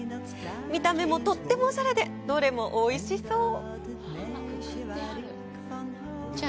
見た目もとってもおしゃれでどれもおいしそう！